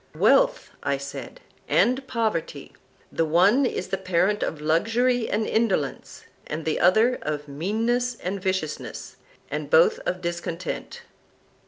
Wealth, I said, and poverty; the one is the parent of luxury and indolence, and the other of meanness and viciousness, and both of discontent.